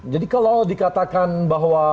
jadi kalau dikatakan bahwa